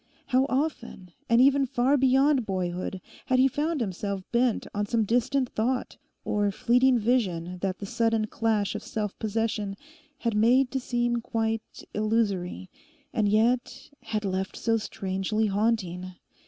How often, and even far beyond boyhood, had he found himself bent on some distant thought or fleeting vision that the sudden clash of self possession had made to seem quite illusory, and yet had left so strangely haunting.